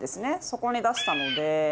そこに出したので。